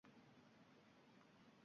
-Sababi?